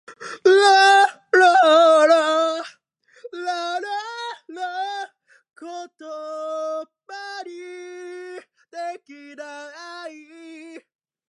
成田空港